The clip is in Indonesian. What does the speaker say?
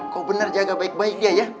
kok bener jaga baik baik dia ya